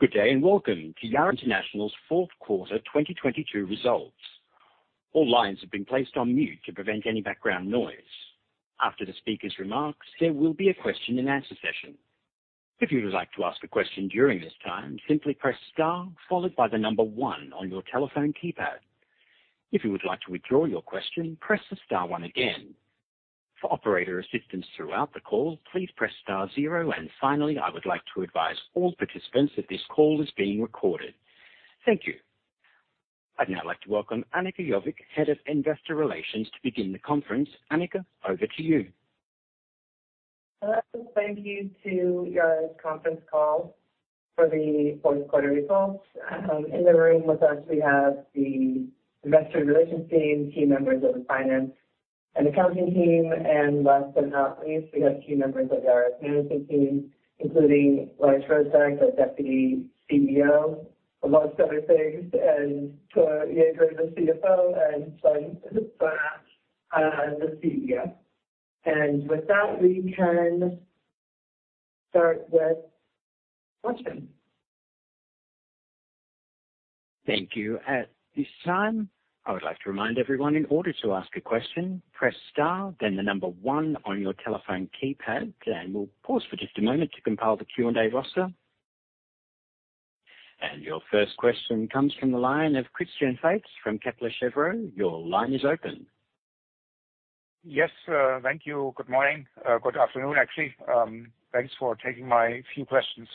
Good day and welcome to Yara International's fourth quarter 2022 results. All lines have been placed on mute to prevent any background noise. After the speaker's remarks, there will be a question and answer session. If you would like to ask a question during this time, simply press star followed by the number one on your telephone keypad. If you would like to withdraw your question, press the star one again. For operator assistance throughout the call, please press star zero. Finally, I would like to advise all participants that this call is being recorded. Thank you. I'd now like to welcome Anika Jovik, Head of Investor Relations to begin the conference. Anika, over to you. Hello. Thank you to Yara's conference call for the fourth quarter results. In the room with us we have the investor relations team, key members of the finance and accounting team, and last but not least, we have key members of our management team, including Lars Røsæg, our Deputy CEO, amongst other things, and Thor Giæver, the CFO, and Svein Tore Holsether, the CEO. With that, we can start with questions. Thank you. At this time, I would like to remind everyone in order to ask a question, press star then one on your telephone keypad, and we'll pause for just a moment to compile the Q&A roster. Your first question comes from the line of Christian Faitz from Kepler Cheuvreux. Your line is open. Yes, thank you. Good morning. Good afternoon, actually. Thanks for taking my few questions.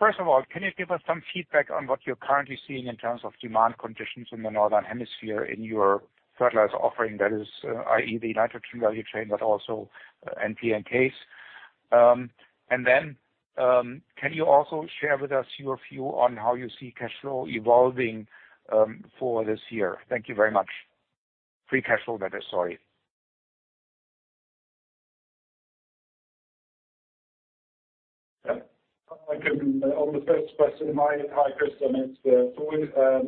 First of all, can you give us some feedback on what you're currently seeing in terms of demand conditions in the northern hemisphere in your fertilizer offering that is, i.e., the nitrogen value chain but also NPK? Can you also share with us your view on how you see cash flow evolving for this year? Thank you very much. Free cash flow, that is. Sorry. On the first question. Hi, Christian. It's Thor.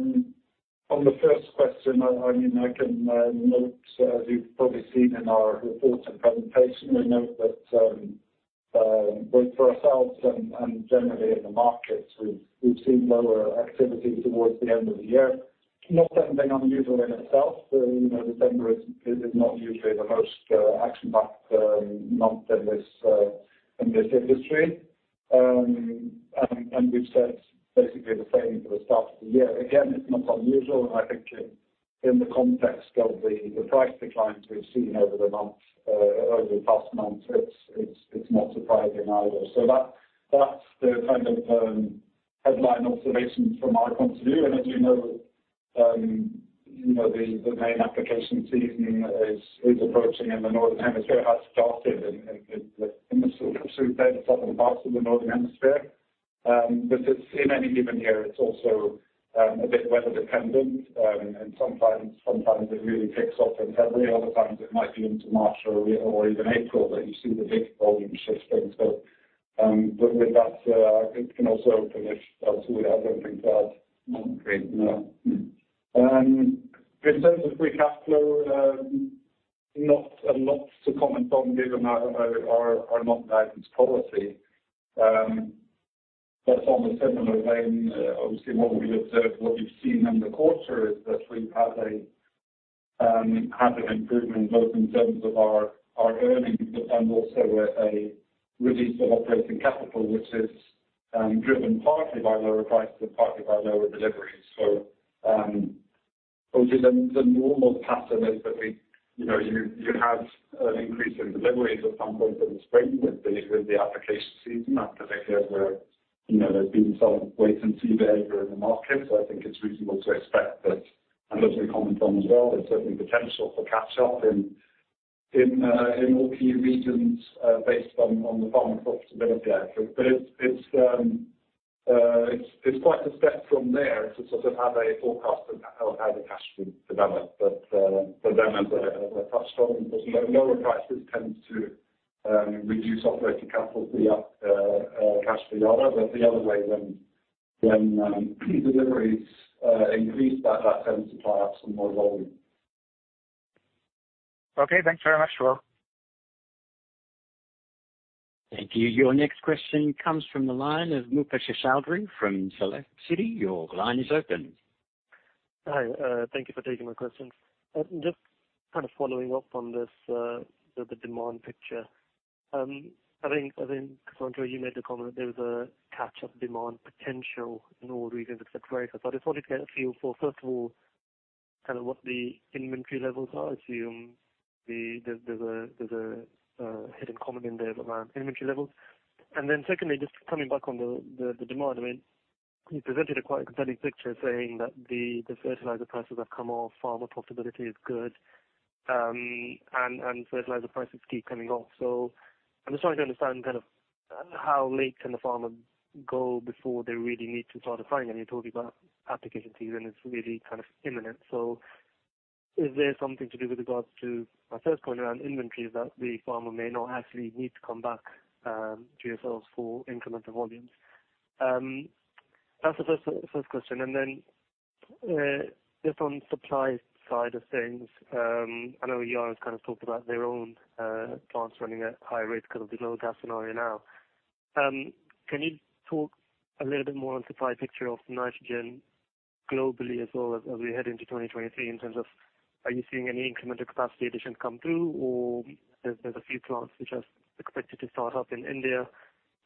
On the first question, I mean, I can note, as you've probably seen in our reports and presentation, we note that both for ourselves and generally in the markets, we've seen lower activity towards the end of the year. Not something unusual in itself. You know, December is not usually the most action-packed month in this industry. We've said basically the same for the start of the year. Again, it's not unusual, and I think in the context of the price declines we've seen over the months, over the past months, it's not surprising either. That's the kind of headline observation from my point of view. As you know, you know, the main application season is approaching in the northern hemisphere, has started in the southern parts of the northern hemisphere. In any given year, it's also a bit weather dependent. Sometimes it really kicks off in February, other times it might be into March or even April that you see the big volume shifts. With that, I can also finish as well. I don't have anything to add. Okay. No. In terms of free cash flow, not a lot to comment on given our non-guidance policy. On a similar vein, obviously what we observed, what we've seen in the quarter is that we've had an improvement both in terms of our earnings but then also a release of operating capital which is driven partly by lower prices and partly by lower deliveries. Obviously the normal pattern is that we, you know, you have an increase in deliveries at some point in the spring with the application season after the year where, you know, there's been some wait-and-see behavior in the market. I think it's reasonable to expect that, and as we comment on as well, there's certainly potential for catch-up in all key regions, based on the farm profitability aspect. It's quite a step from there to sort of have a forecast of how the cash will develop. As a touchstone, you know, lower prices tends to reduce operating capital, cash flow. The other way when key deliveries increase that tends to tie up some more volume. Okay. Thanks very much. Thor. Thank you. Your next question comes from the line of Mubasher Chaudhry from Citi. Your line is open. Hi. Thank you for taking my question. Just kind of following up on this, the demand picture. I think, Thor, you made the comment that there was a catch-up demand potential in all regions et cetera. I just wanted to get a feel for, first of all, kind of what the inventory levels are. There's a hidden comment in there around inventory levels. Secondly, just coming back on the demand, I mean, you presented a quite compelling picture saying that the fertilizer prices have come off, farmer profitability is good, and fertilizer prices keep coming off. I'm just trying to understand kind of how late can the farmer go before they really need to start applying. You told me about application season is really kind of imminent. Is there something to do with regards to my first point around inventories that the farmer may not actually need to come back to yourselves for incremental volumes? That's the first question. Just on supply side of things, I know Yara has kind of talked about their own plants running at high rates because of the global gas scenario now. Can you talk a little bit more on supply picture of nitrogen globally as well as we head into 2023, in terms of are you seeing any incremental capacity additions come through? There's a few plants which are expected to start up in India,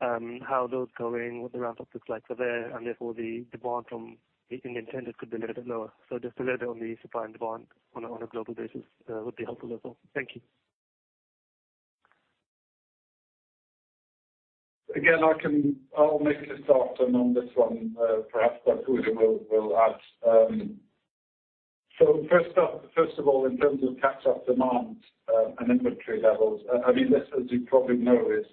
how are those going, what the ramp up looks like for there, and therefore the demand from the Indian tenders could be a little bit lower. Just a little bit on the supply and demand on a global basis, would be helpful as well. Thank you. Again, I'll make a start, and on this one, perhaps Svein Tore will add. First up, first of all, in terms of catch up demand and inventory levels, I mean, this as you probably know is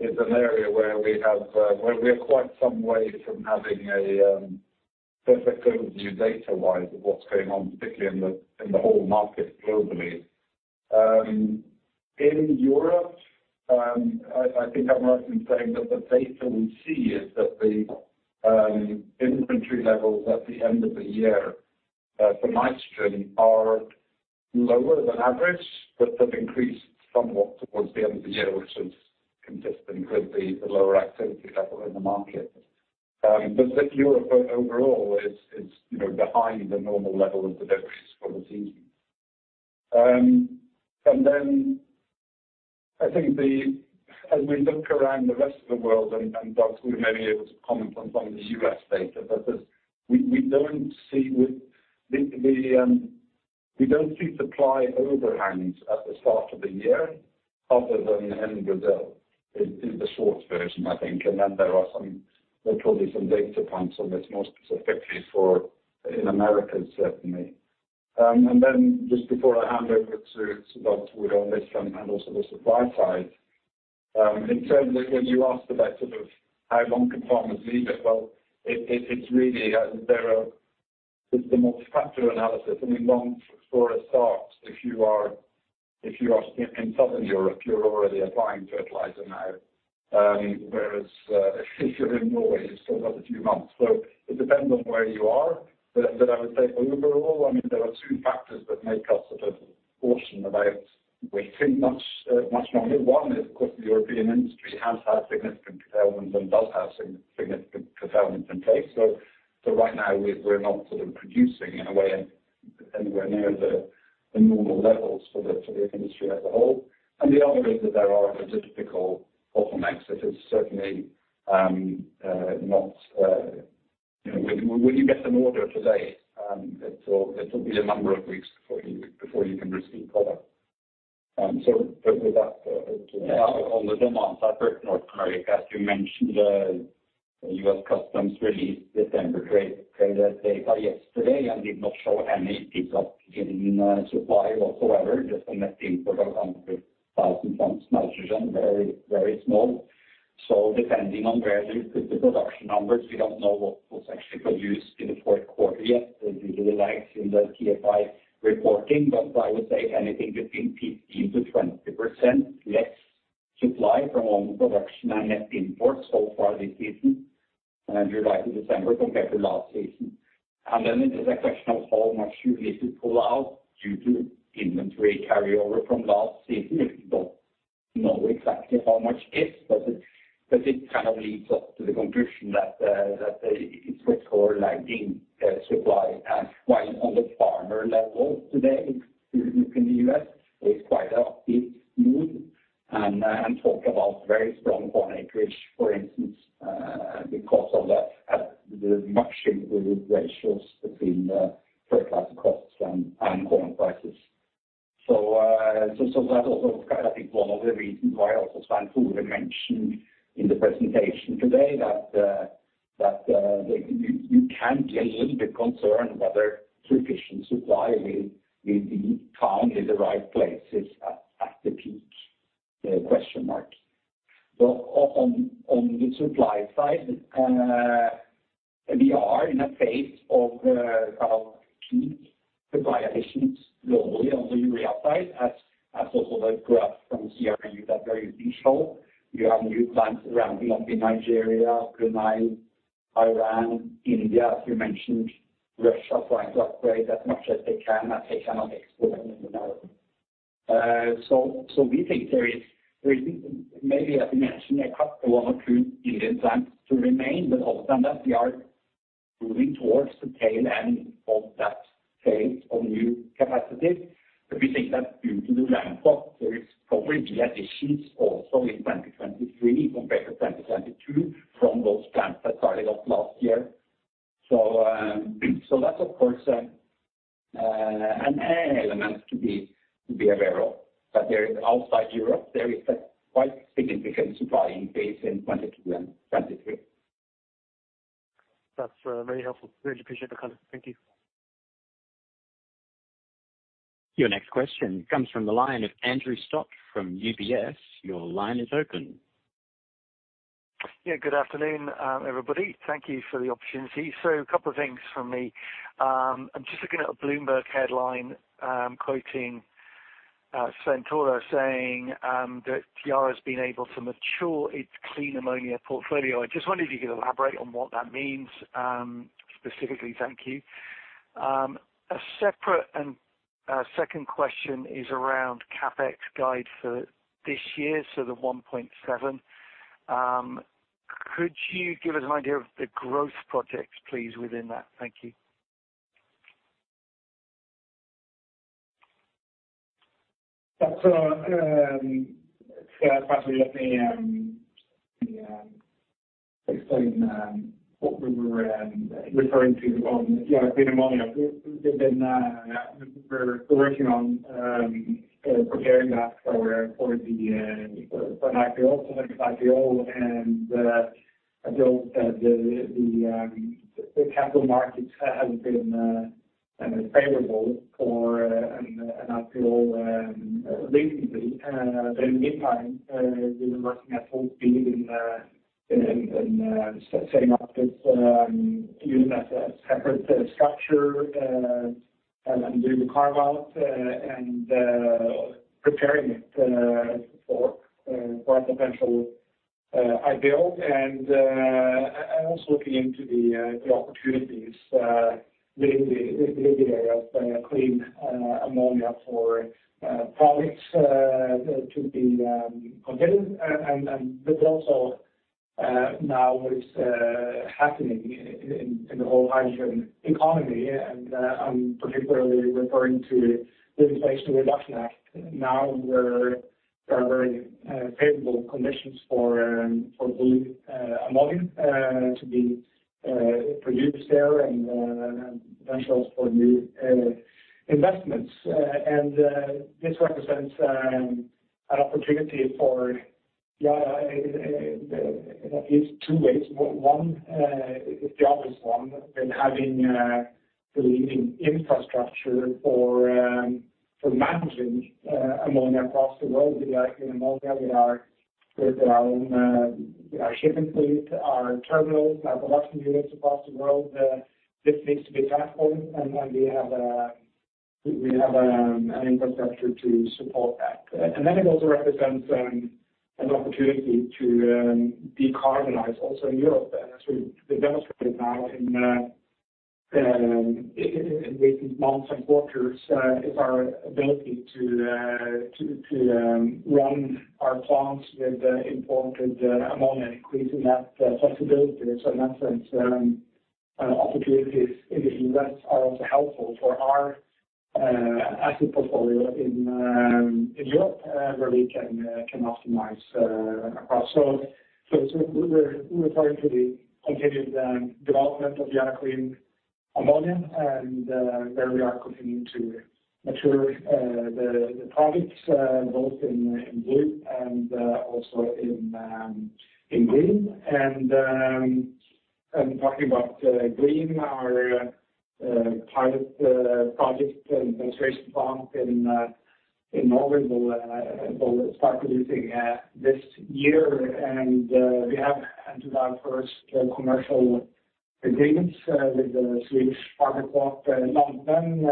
an area where we have where we are quite some way from having a perfect overview data-wise of what's going on, particularly in the whole market globally. In Europe, I think I'm right in saying that the data we see is that the inventory levels at the end of the year for nitrogen are lower than average, but have increased somewhat towards the end of the year, which is consistent with the lower activity level in the market. Europe overall is, you know, behind the normal level of inventories for the season. As we look around the rest of the world, and thus we may be able to comment on some of the U.S. data, but we don't see with the, we don't see supply overhangs at the start of the year other than in Brazil is the short version I think. There are probably some data points on this more specifically for in Americas certainly. Just before I hand over to Svein Tore on this one and also the supply side, in terms of when you asked about sort of how long can farmers leave it? Well, it's really, It's the multi-factor analysis. I mean, long story short, if you are in Southern Europe, you're already applying fertilizer now, whereas if you're in Norway you still got a few months. It depends on where you are. I would say overall, I mean, there are two factors that make us sort of caution about waiting much longer. One is, of course, the European industry has had significant curtailments and does have significant curtailments in place. Right now we're not sort of producing in a way anywhere near the normal levels for the industry as a whole. The other is that there are logistical bottlenecks that is certainly not, you know, when you get an order today, it'll be a number of weeks before you can receive product. Um, so with that, uh, to- On the demand side for North America, as you mentioned, U.S. customs released December trade, trader data yesterday and did not show any pickup in supply whatsoever, just a net import of 100,000 tons nitrogen, very, very small. Depending on where you put the production numbers, we don't know what was actually produced in the fourth quarter yet, the usual lags in the TFI reporting. I would say anything between 15%-20% less supply from home production and net imports so far this season, July to December compared to last season. It is a question of how much you need to pull out due to inventory carryover from last season, if you don't know exactly how much is. But it kind of leads us to the conclusion that it's worth calling lagging supply. While on the farmer level today, if you look in the U.S., it's quite an upbeat mood and talk about very strong corn acreage, for instance, because of the much improved ratios between fertilizer costs and corn prices. That's also kind of, I think, one of the reasons why also Svein Tore mentioned in the presentation today that, you can be a little bit concerned whether sufficient supply will be found in the right places at the peak, question mark. On the supply side, we are in a phase of kind of peak supply additions globally on the urea side, as also the graph from CRU that Gary showed. You have new plants ramping up in Nigeria, Brunei, Iran, India, as you mentioned, Russia trying to operate as much as they can as they cannot export anywhere. We think there is maybe as you mentioned, a couple, one or two Indian plants to remain, but other than that we are moving towards the tail end of that phase of new capacity. We think that due to the ramp up there is probably the additions also in 2023 compared to 2022 from those plants that started up last year. That's of course an element to be aware of. There is outside Europe there is a quite significant supply increase in 2022 and 2023. That's very helpful. Really appreciate the color. Thank you. Your next question comes from the line of Andrew Stott from UBS. Your line is open. Yeah, good afternoon, everybody. Thank you for the opportunity. A couple of things from me. I'm just looking at a Bloomberg headline, quoting Svein Tore saying that Yara's been able to mature its clean ammonia portfolio. I just wonder if you could elaborate on what that means specifically. Thank you. A separate and second question is around CapEx guide for this year, so the $1.7 billion. Could you give us an idea of the growth projects please within that? Thank you. That's, actually let me explain what we were referring to on the Yara Clean Ammonia. We've been working on preparing that for an IPO, so next IPO. I built, the capital markets hasn't been favorable for an IPO recently. In the meantime, we've been working at full speed in setting up this unit as a separate structure, and doing the carve out, and preparing it for a potential IPO. Also looking into the opportunities with Yara's Clean Ammonia for products that to be presented. Now what is happening in the whole hydrogen economy, I'm particularly referring to the Inflation Reduction Act. There are very favorable conditions for blue ammonia to be produced there and potentials for new investments. This represents an opportunity for Yara in at least two ways. One, the obvious one, in having believing infrastructure for managing ammonia across the world. We are in ammonia with our own shipping fleet, our terminals, our production units across the world, this needs to be transformed, and we have an infrastructure to support that. it also represents an opportunity to decarbonize also in Europe as we've demonstrated now in recent months and quarters is our ability to run our plants with imported ammonia, increasing that flexibility. In that sense, opportunities in the U.S. are also helpful for our asset portfolio in Europe, where we can optimize across. We're referring to the continued development of Yara Clean Ammonia, and there we are continuing to mature the products both in blue and also in green. Talking about green, our pilot project demonstration plant in Norway will start producing this year. We have entered our first commercial agreements, with the Swedish partner called, Lantmännen,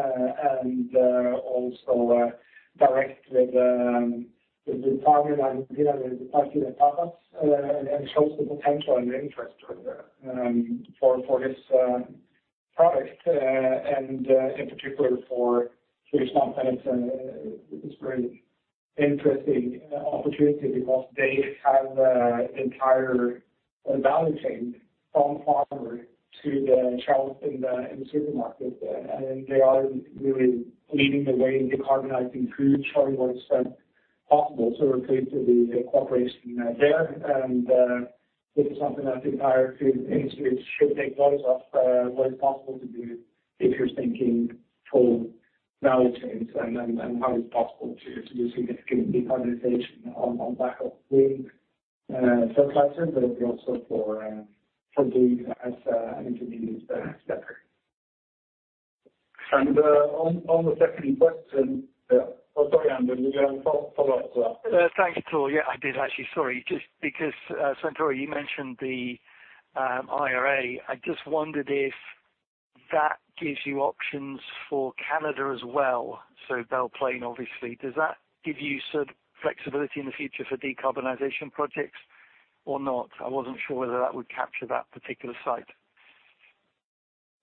and, also, direct with the partner here, with the partner in TATA, and shows the potential and the interest with the, for this, product. In particular for Swedish Lantmännen, it's a, it's very interesting, opportunity because they have a entire, value chain from farmer to the shelf in the, in the supermarket. They are really leading the way in decarbonizing food chain where it's, possible. We're pleased with the cooperation, there. This is something that the entire food industry should take notice of, what is possible to do if you're thinking full value chains and how it's possible to do significant decarbonization on behalf of green subclasses, but also for blue as an intermediate step. On the second question. Oh, sorry, Andrew. Did you have a follow-up as well? Thanks, Tore. I did actually. Sorry. Just because, Svein Tore, you mentioned the IRA. I just wondered if that gives you options for Canada as well, so Belle Plaine obviously. Does that give you some flexibility in the future for decarbonization projects or not? I wasn't sure whether that would capture that particular site.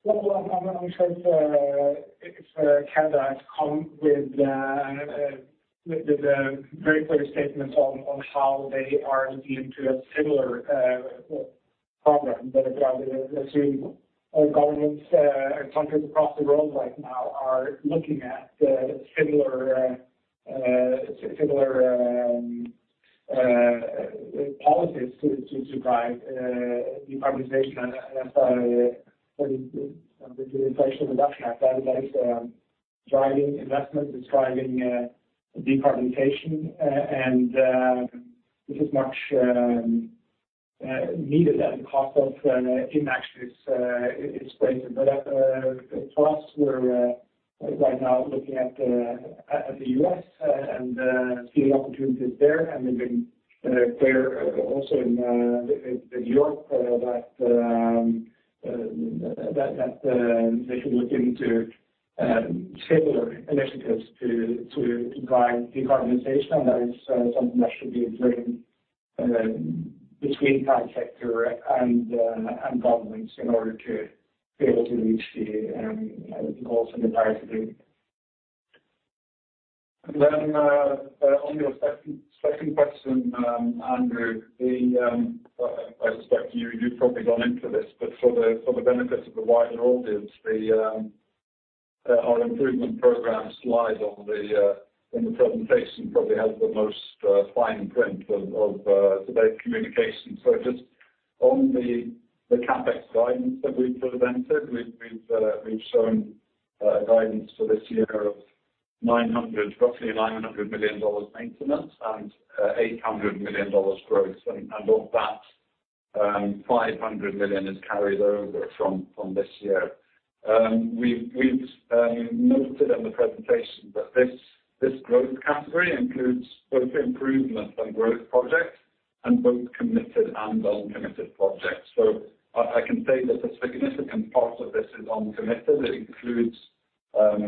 Well, I'm sure the, if Canada has come with a very clear statement on how they are looking to a similar program that I gather that many governments and countries across the world right now are looking at similar policies to drive decarbonization. That's why the Inflation Reduction Act, that is driving investment, it's driving decarbonization. This is much needed at a cost of, in actually it's greater. At first we're right now looking at the U.S. and seeing opportunities there. We've been clear also in New York that they should look into similar initiatives to drive decarbonization. That is something that should be a framework between private sector and governments in order to be able to reach the goals in the Paris Agreement. On your second question, Andrew, the... I suspect you've probably gone into this, but for the benefit of the wider audience, the our improvement program slide on the in the presentation probably has the most fine print of today's communication. Just on the CapEx guidance that we've presented, we've shown guidance for this year of roughly $900 million maintenance and $800 million growth. Of that, $500 million is carried over from this year. We've noted in the presentation that this growth category includes both improvement and growth projects and both committed and uncommitted projects. I can say that a significant part of this is uncommitted. It includes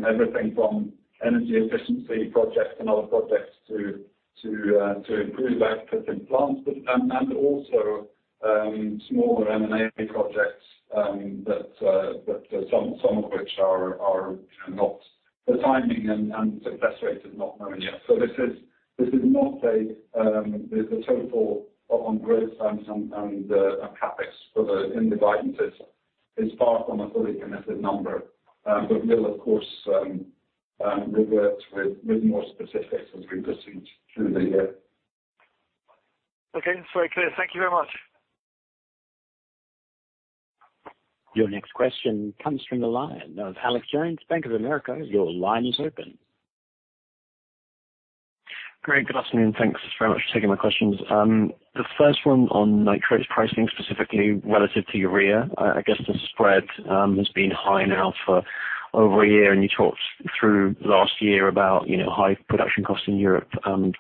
everything from energy efficiency projects and other projects to improve output in plants, but and also smaller M&A projects that some of which are not the timing and success rate is not known yet. This is not a... the total on growth and on CapEx in the guidance is far from a fully committed number. We'll of course revert with more specifics as we proceed through the year. Okay. It's very clear. Thank you very much. Your next question comes from the line of Alex Jones, Bank of America. Your line is open. Great. Good afternoon. Thanks very much for taking my questions. The first one on nitrates pricing, specifically relative to urea. I guess the spread has been high now for over a year, and you talked through last year about, you know, high production costs in Europe,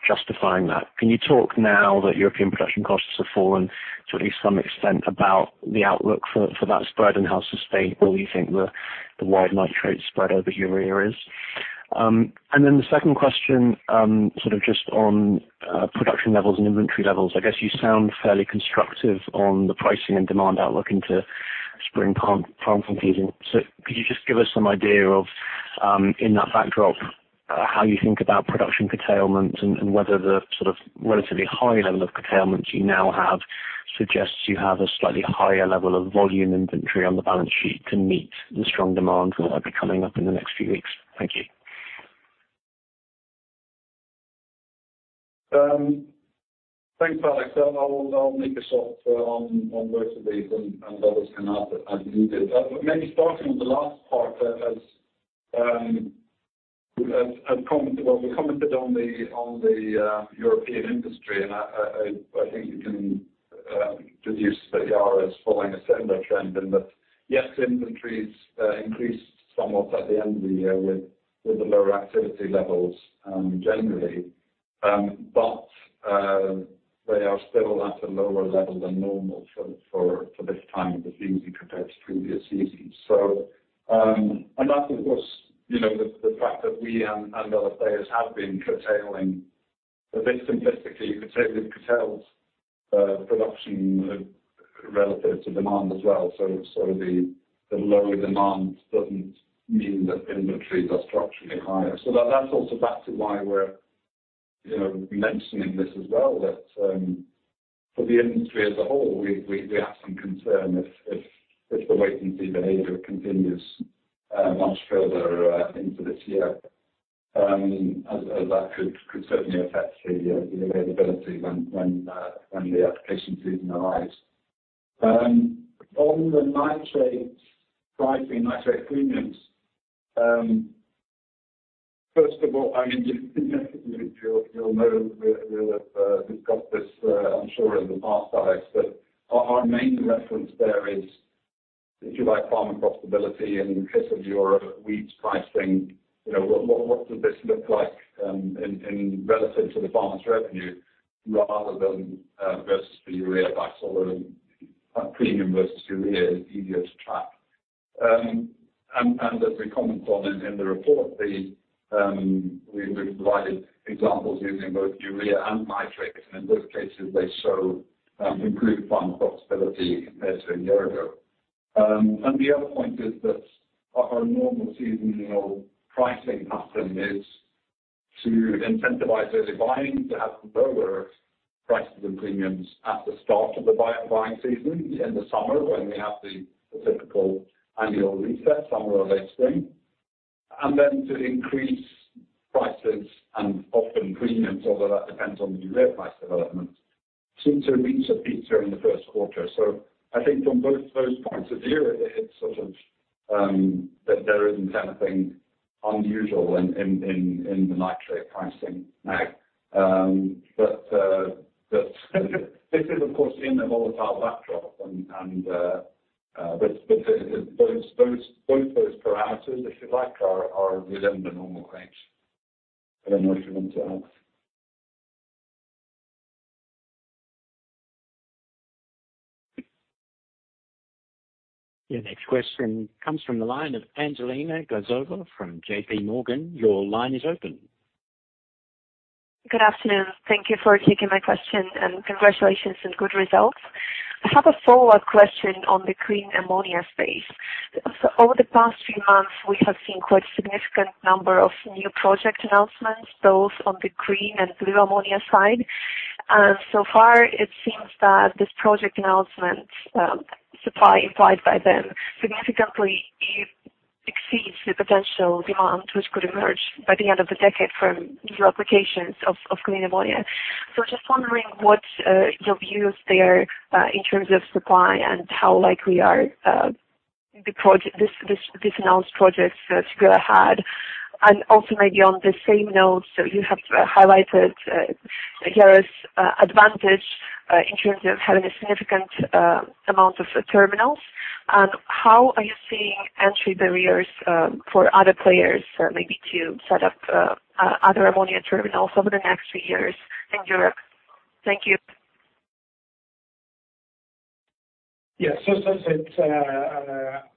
justifying that. Can you talk now that European production costs have fallen to at least some extent about the outlook for that spread and how sustainable you think the wide nitrate spread over urea is? The second question, sort of just on production levels and inventory levels. I guess you sound fairly constructive on the pricing and demand outlook into spring farm competing. Could you just give us some idea of, in that backdrop, how you think about production curtailment and whether the sort of relatively high level of curtailment you now have suggests you have a slightly higher level of volume inventory on the balance sheet to meet the strong demand that will be coming up in the next few weeks? Thank you. Thanks, Alex. I'll maybe start on both of these and others can add as needed. Maybe starting with the last part. We commented on the European industry, and I think you can deduce that Yara is following a similar trend and that, yes, inventories increased somewhat at the end of the year with the lower activity levels generally. They are still at a lower level than normal for this time of the season compared to previous seasons. That's, of course, you know, the fact that we and other players have been curtailing a bit simplistically, you could say we've curtailed production relative to demand as well. The lower demand doesn't mean that inventories are structurally higher. That's also, that's why we're, you know, mentioning this as well. For the industry as a whole, we have some concern if the wait-and-see behavior continues much further into this year, as that could certainly affect the availability when the application season arrives. On the nitrate pricing, nitrate premiums, first of all, I mean you'll know we're... We've got this, I'm sure in the past slides, but our main reference there is if you like farmer profitability and in case of Europe, wheat pricing, you know, what does this look like, in relative to the farmer's revenue rather than versus the urea price, although a premium versus urea is easier to track. As we comment on in the report, we've provided examples using both urea and nitrate, and in both cases they show improved farm profitability compared to a year ago. The other point is that our normal seasonal pricing pattern is to incentivize early buying, to have lower prices and premiums at the start of the buying season in the summer when we have the typical annual reset, summer or late spring, and then to increase prices and often premiums, although that depends on the urea price development, to reach a peak during the first quarter. I think from both those points of view, it's sort of that there isn't anything unusual in the nitrate pricing now. This is, of course, in a volatile backdrop and those, both those parameters, if you like, are within the normal range. I don't know if you want to add? Your next question comes from the line of Angelina Glazova from JPMorgan. Your line is open. Good afternoon. Thank you for taking my question, and congratulations on good results. I have a follow-up question on the green ammonia space. Over the past few months, we have seen quite significant number of new project announcements, both on the green and blue ammonia side. So far it seems that these project announcement supply implied by them significantly exceeds the potential demand which could emerge by the end of the decade from new applications of green ammonia. Just wondering what your views there in terms of supply and how likely are the project, this announced projects to go ahead. On the same note, you have highlighted Yara's advantage in terms of having a significant amount of terminals. How are you seeing entry barriers for other players maybe to set up other ammonia terminals over the next few years in Europe? Thank you. Yeah.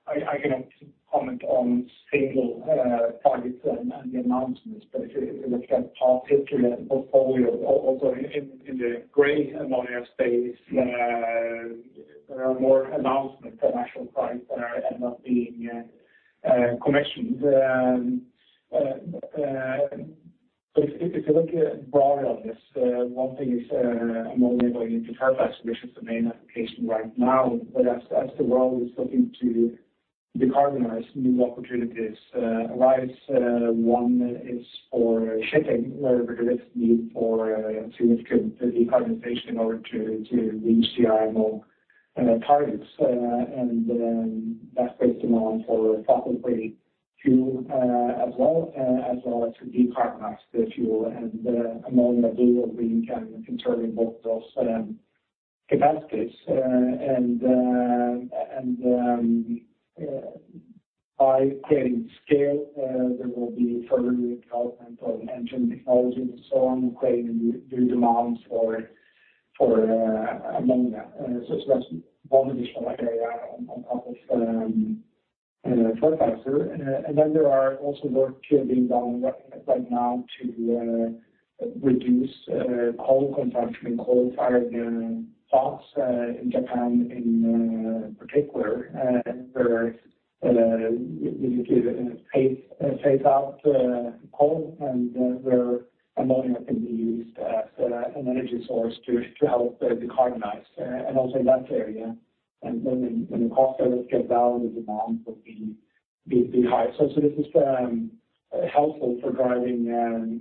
I cannot comment on single targets and the announcements, but if you look at past history and portfolio, also in the gray ammonia space, there are more announcements than actual projects that are end up being commissioned. If you look at broadly on this, one thing is ammonia going into fertilizer, which is the main application right now. As the world is looking to decarbonize new opportunities arise, one is for shipping, where there is need for a significant decarbonization in order to reach the IMO, you know, targets. That creates demand for fossil free fuel as well as to decarbonize the fuel and ammonia blue are being kind of considered in both those capacities. By creating scale, there will be further development of engine technology and so on, creating new demands for ammonia. That's one additional area on top of fertilizer. There are also work being done right now to reduce coal consumption in coal-fired plants in Japan in particular. Where you phase out coal and where ammonia can be used as an energy source to help decarbonize. Also in that area and when the cost curve gets down, the demand will be high. This is helpful for driving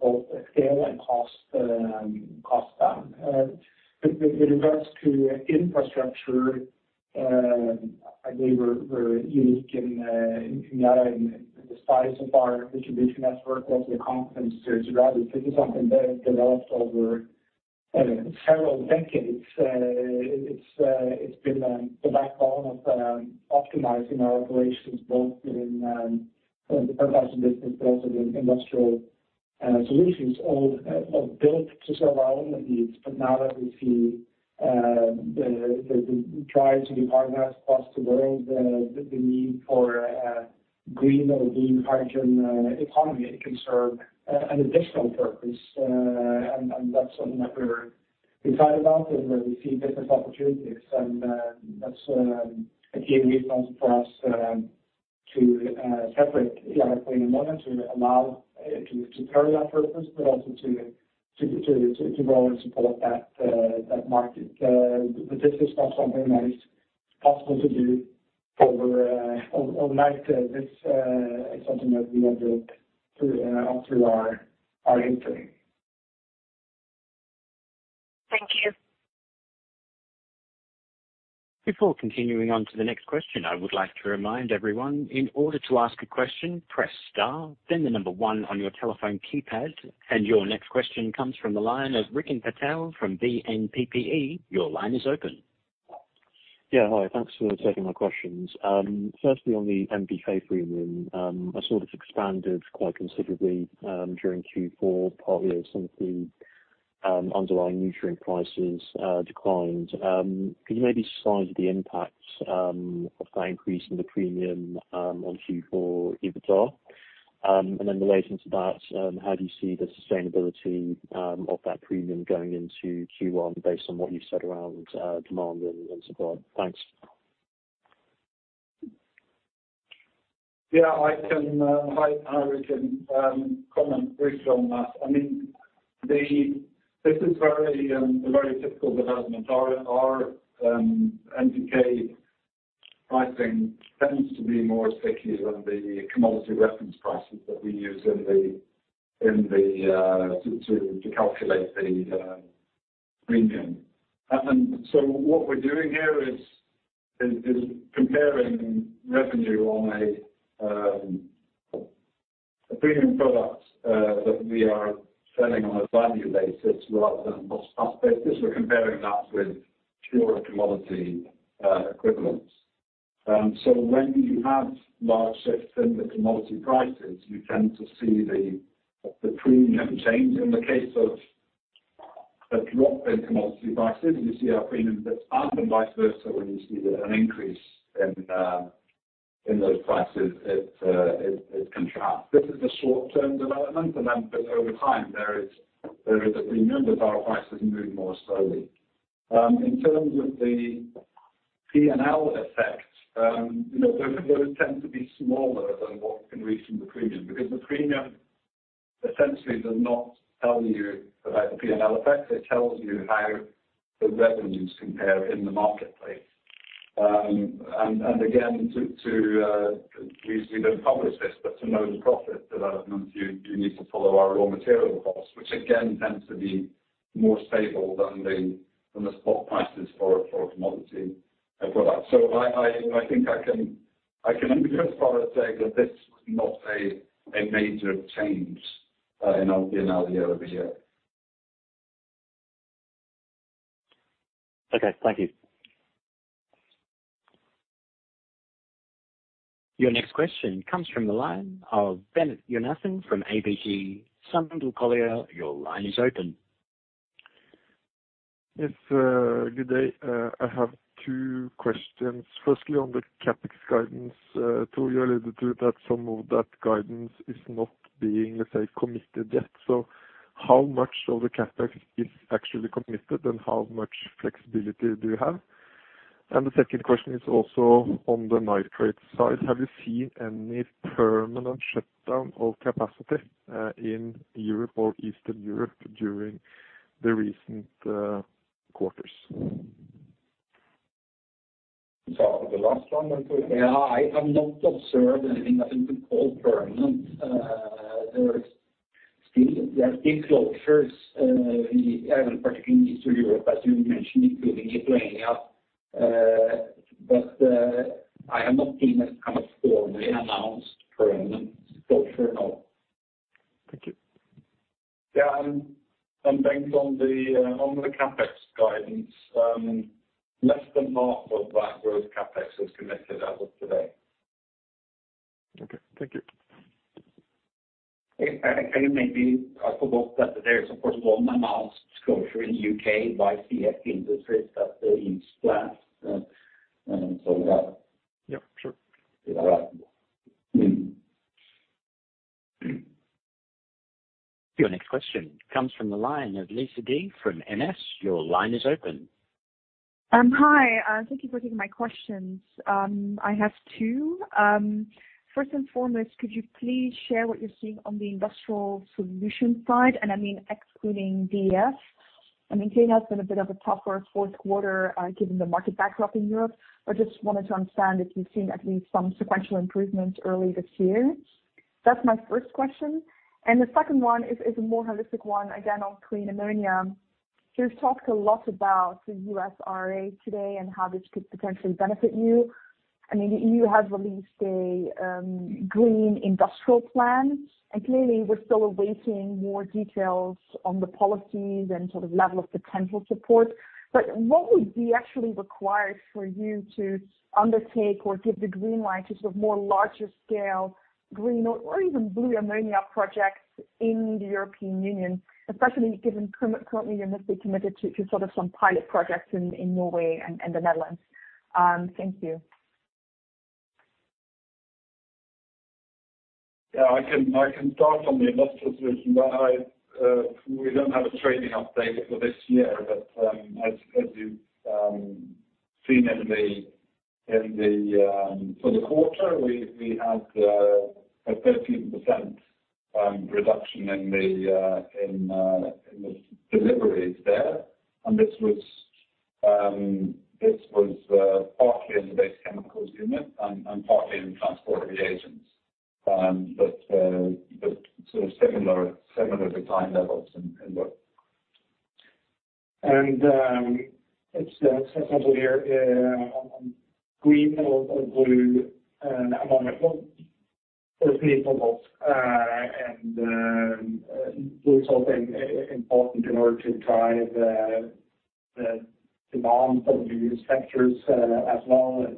both scale and cost down. With regards to infrastructure, I believe we're unique in Yara in the size of our distribution network as well as the competence to drive it. This is something that developed over, I mean, several decades. It's been the backbone of optimizing our operations both in the fertilizer business but also the industrial solutions all built to serve our own needs. Now that we see the drive to decarbonize across the world, the need for a green or clean hydrogen economy, it can serve an additional purpose. And that's something that we're excited about and where we see business opportunities. That's a key reason for us to separate Yara Clean Ammonia to allow it to carry that purpose, but also to grow and support that market. This is not something that is possible to do over overnight. This is something that we have built through our history. Thank you. Before continuing on to the next question, I would like to remind everyone, in order to ask a question, press star then one on your telephone keypad. Your next question comes from the line of Rikin Patel from BNPPE. Your line is open. Yeah. Hi. Thanks for taking my questions. Firstly on the NPK premium, I saw this expanded quite considerably during Q4, partly as some of the underlying nutrient prices declined. Could you maybe size the impact of that increase in the premium on Q4 EBITDA? Relating to that, how do you see the sustainability of that premium going into Q1 based on what you said around demand and supply? Thanks. Yeah. I can. Hi, Rikin. Comment briefly on that. I mean, this is very a very typical development. NPK pricing tends to be more sticky than the commodity reference prices that we use to calculate the premium. What we're doing here is comparing revenue on a premium product that we are selling on a value basis rather than cost plus basis. We're comparing that with pure commodity equivalents. When you have large shifts in the commodity prices, you tend to see the premium change. A drop in commodity prices, you see our premiums that up, and vice versa when you see an increase in those prices, it contracts. This is a short-term development and then but over time, there is a remember our prices move more slowly. In terms of the P&L effect, you know, those tend to be smaller than what you can reach from the premium because the premium essentially does not tell you about the P&L effect. It tells you how the revenues compare in the marketplace. Again, to, we don't publish this, but to know the profit development, you need to follow our raw material costs, which again tends to be more stable than the spot prices for commodity products. I think I can only go as far as say that this is not a major change in our year-over-year. Okay. Thank you. Your next question comes from the line of Bengt Jonassen from ABG Sundal Collier. Your line is open. Good day. I have two questions. Firstly, on the CapEx guidance, Thor, you alluded to that some of that guidance is not being, let's say, committed yet. How much of the CapEx is actually committed, and how much flexibility do you have? The second question is also on the nitrate side. Have you seen any permanent shutdown of capacity in Europe or Eastern Europe during the recent quarters? The last one went to. Yeah. I have not observed anything I think we call permanent. There is still, there have been closures, in, particularly in Eastern Europe, as you mentioned, including Lithuania. I have not seen a kind of formally announced permanent closure, no. Thank you. Yeah. Bengt on the CapEx guidance, less than half of that growth CapEx is committed as of today. Okay. Thank you. Maybe I forgot that there is, of course, one announced closure in the U.K. by CF Industries at the Ince Flats, and so. Yeah, sure. Is allowable. Your next question comes from the line of Lisa De from MS. Your line is open. Hi, thank you for taking my questions. I have two. First and foremost, could you please share what you're seeing on the industrial solution side, and I mean excluding DEF? I mean, it has been a bit of a tougher fourth quarter, given the market backdrop in Europe, but just wanted to understand if you've seen at least some sequential improvement early this year. That's my first question. The second one is, a more holistic one, again, on green ammonia. There's talked a lot about the IRA today and how this could potentially benefit you. I mean, EU released a green industrial plan, and clearly we're still awaiting more details on the policies and sort of level of potential support. What would be actually required for you to undertake or give the green light to sort of more larger scale green or even blue ammonia projects in the European Union, especially given currently you're mostly committed to sort of some pilot projects in Norway and the Netherlands? Thank you. Yeah. I can start on the industrial solution. We don't have a trading update for this year, but as you've seen in the for the quarter, we had a 13% reduction in the deliveries there. This was partly in the base chemicals unit and partly in transport reagents. but sort of similar decline levels in both. It's definitely on Green or Blue ammonia. Well, first Green for both. Blue is also important in order to drive the demand from the use sectors, as well as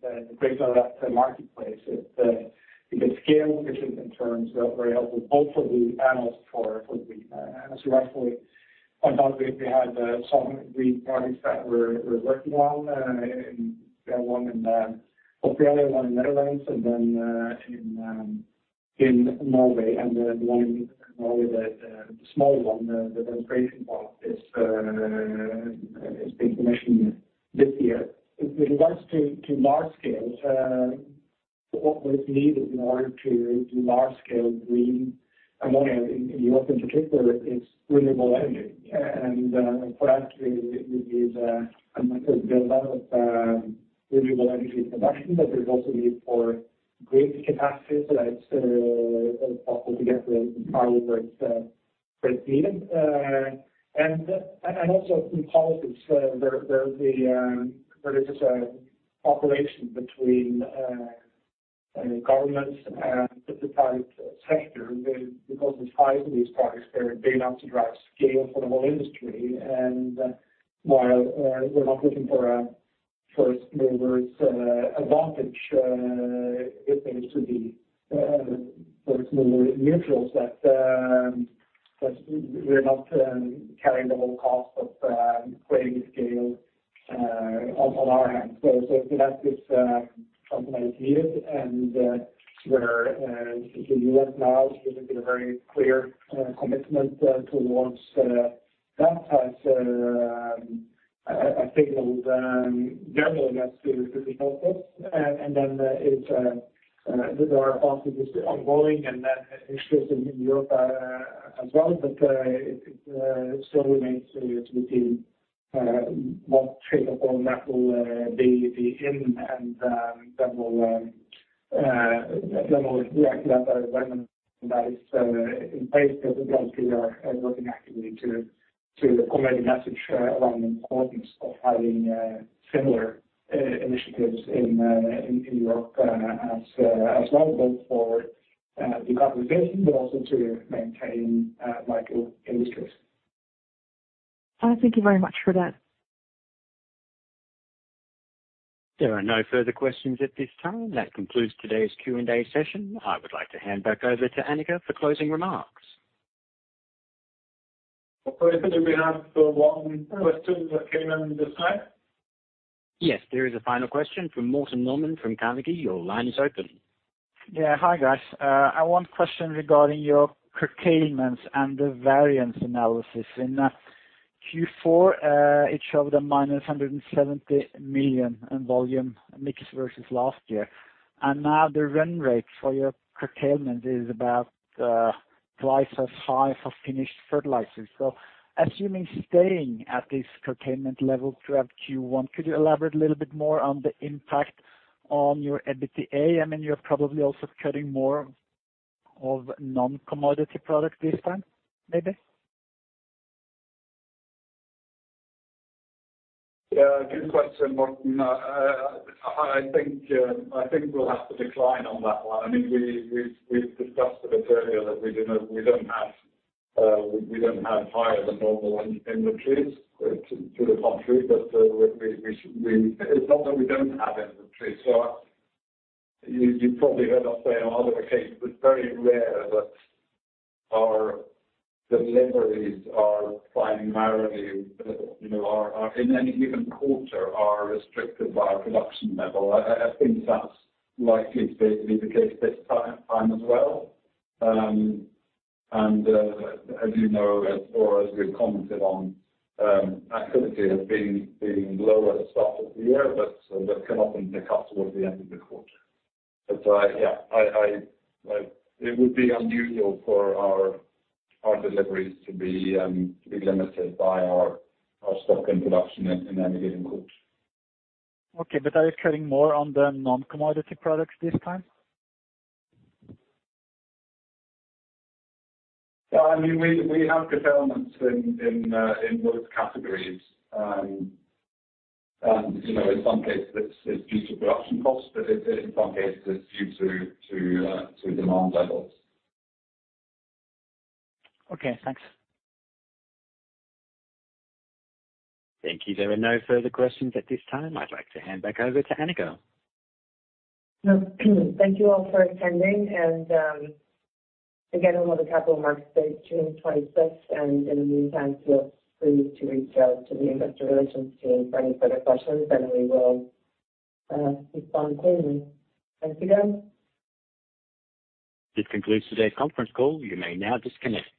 through that demand in the greater marketplace. It gets scale efficient in terms of very helpful both for the analysts for the, as Svein Tore pointed out, we had some green projects that we're working on, one in, hopefully other one in Netherlands and then in Norway and the one in Norway that the small one, the demonstration plant is being commissioned this year. With regards to large scale, what was needed in order to do large scale green ammonia in Europe in particular is renewable energy. For us is there's a build out of renewable energy production, but there's also need for greater capacity so that it's possible to get the power that's needed. Also in policies. Where there's this cooperation between governments and the private sector with the cost of these products, they're big enough to drive scale for the whole industry. While we're not looking for a first movers advantage, if there is to be first mover neutrals that we're not carrying the whole cost of creating scale on our end. That is something I've heard, and we're in the U.S. now, there's been a very clear commitment towards that as a signal that generally that's going to be helpful. It's, there are obviously just ongoing and then issues in Europe, as well, but, it still remains to be seen, what shape or form that will be in and, then we'll react to that when that is, in place. We are working actively to promote a message around the importance of having, similar, initiatives in Europe, as well, both for, decarbonization, but also to maintain, vital industries. Thank you very much for that. There are no further questions at this time. That concludes today's Q&A session. I would like to hand back over to Anika for closing remarks. Operator, do we have one question that came in just now? Yes, there is a final question from Morten Normann from Carnegie. Your line is open. Yeah. Hi, guys. I have one question regarding your curtailments and the variance analysis. In Q4, it showed a -$170 million in volume mix versus last year. Now the run rate for your curtailment is about twice as high for finished fertilizers. Assuming staying at this curtailment level throughout Q1, could you elaborate a little bit more on the impact on your EBITDA? I mean, you're probably also cutting more of non-commodity product this time, maybe. Yeah. Good question, Morten. I think we'll have to decline on that one. I mean, we've discussed a bit earlier that we don't have higher than normal inventories to the contrary. It's not that we don't have inventory. You probably heard us say on other occasions, it's very rare that our deliveries are primarily, you know, are in any given quarter are restricted by our production level. I think that's likely to be the case this time as well. As you know, or as we've commented on, activity has been low at the start of the year, that came up in the capital at the end of the quarter. Yeah, I… It would be unusual for our deliveries to be limited by our stock and production in any given quarter. Okay. Are you cutting more on the non-commodity products this time? I mean, we have curtailments in both categories. You know, in some cases it's due to production costs, but it, in some cases it's due to demand levels. Okay, thanks. Thank you. There are no further questions at this time. I'd like to hand back over to Anika. No. Thank you all for attending and again on the Capital Markets Day, June 26th, and in the meantime, feel free to reach out to the investor relations team for any further questions and we will respond promptly. Thanks again. This concludes today's conference call. You may now disconnect.